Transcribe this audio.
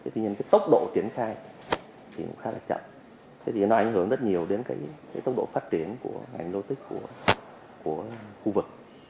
tuy nhiên cái tốc độ triển khai thì cũng khá là chậm thế thì nó ảnh hưởng rất nhiều đến cái tốc độ phát triển của ngành logistics của khu vực